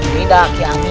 tidak ya amin